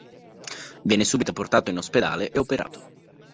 Viene subito portato in ospedale e operato.